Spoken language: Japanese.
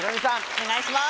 お願いします。